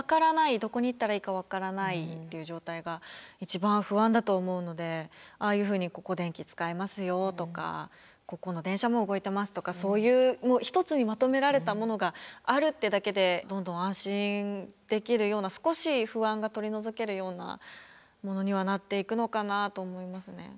どこに行ったらいいか分からないという状態が一番不安だと思うのでああいうふうに「ここ電気使えますよ」とか「ここの電車も動いてます」とかそういう一つにまとめられたものがあるってだけでどんどん安心できるような少し不安が取り除けるようなものにはなっていくのかなと思いますね。